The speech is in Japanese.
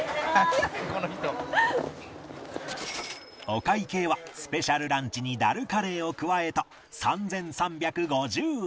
お会計はスペシャルランチにダルカレーを加えた３３５０円